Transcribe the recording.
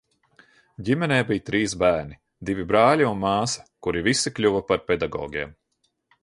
Ģimenē bija trīs bērni – divi brāļi un māsa, kuri visi kļuva par pedagogiem.